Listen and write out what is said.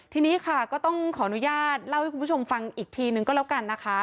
ทีนี้ค่ะก็ต้องขออนุญาตเล่าให้คุณผู้ชมฟังอีกทีนึงก็แล้วกันนะคะ